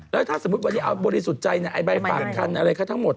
แล้วถ้าสมมุติวันนี้เอาบริสุทธิ์ใจใบฝากคันอะไรเขาทั้งหมด